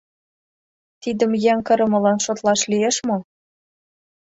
— Тидым еҥ кырымылан шотлаш лиеш мо?